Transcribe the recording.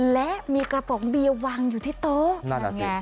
และมีกระป๋องเบียววางอยู่ที่โต๊ะ